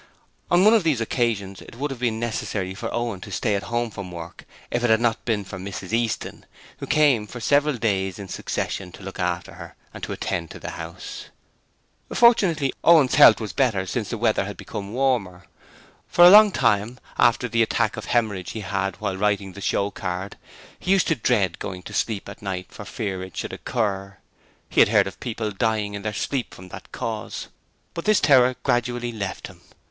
On one of these occasions it would have been necessary for Owen to stay at home from work if it had not been for Mrs Easton, who came for several days in succession to look after her and attend to the house. Fortunately, Owen's health was better since the weather had become warmer. For a long time after the attack of haemorrhage he had while writing the show card he used to dread going to sleep at night for fear it should recur. He had heard of people dying in their sleep from that cause. But this terror gradually left him.